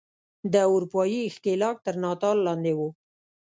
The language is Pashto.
د اروپايي ښکېلاک تر ناتار لاندې وو.